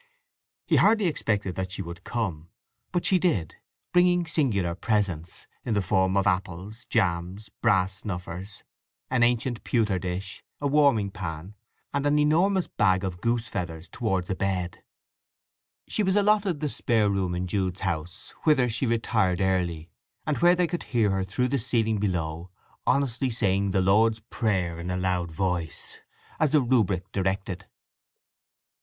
He hardly expected that she would come; but she did, bringing singular presents, in the form of apples, jam, brass snuffers, an ancient pewter dish, a warming pan, and an enormous bag of goose feathers towards a bed. She was allotted the spare room in Jude's house, whither she retired early, and where they could hear her through the ceiling below, honestly saying the Lord's Prayer in a loud voice, as the Rubric directed.